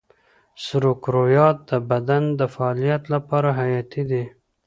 سرو کرویات د بدن د فعالیت لپاره حیاتي دي.